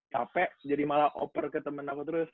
capek jadi malah oper ke temen aku terus